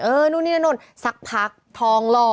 นู่นนี่นั่นนู่นสักพักทองหล่อ